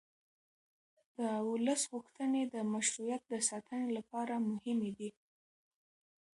د ولس غوښتنې د مشروعیت د ساتنې لپاره مهمې دي